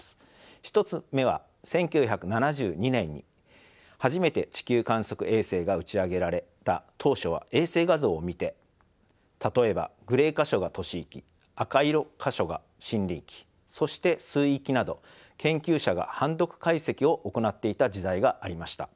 １つ目は１９７２年に初めて地球観測衛星が打ち上げられた当初は衛星画像を見て例えばグレー箇所が都市域赤色箇所が森林域そして水域など研究者が判読解析を行っていた時代がありました。